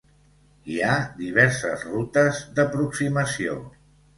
Hi ha diverses rutes d'aproximació.